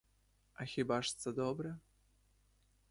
А хіба ж це добре?